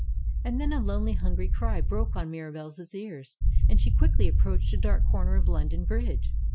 And then a lonely, hungry cry broke on Mirabelle's ears. And she quickly approached a dark corner of London Bridge.